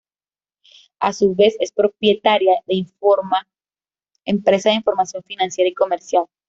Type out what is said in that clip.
A su vez, es propietaria de Informa, empresa de información financiera y comercial.